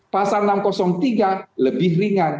pasal enam ratus tiga lebih ringan